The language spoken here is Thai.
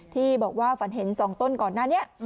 ที่บอกว่าฝันเห็น๒ต้นก่อนหน้านี้